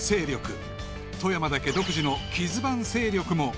［富山だけ独自のキズバン勢力も］